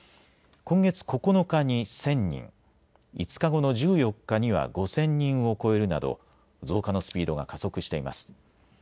今月９日に１０００人、５日後の１４日には５０００人を超えるなど増加のスピードが加速しています。